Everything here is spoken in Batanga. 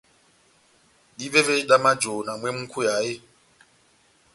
Dívévé dá majohó na mwehé múkweyaha eeeh ?